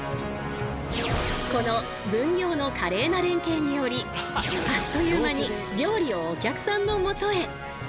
この分業の華麗な連携によりあっという間に料理をお客さんのもとへ。